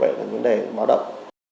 vậy là vấn đề báo động